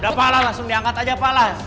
udah palas langsung diangkat aja palas